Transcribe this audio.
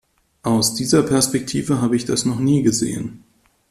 Aus dieser Perspektive habe ich das noch nie gesehen.